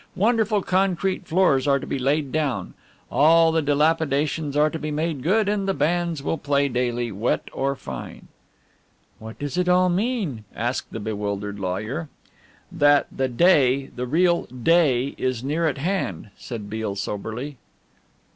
Wonderful concrete floors are to be laid down, all the dilapidations are to be made good, and the bands will play daily, wet or fine." "What does it all mean?" asked the bewildered lawyer. "That The Day the real Day is near at hand," said Beale soberly.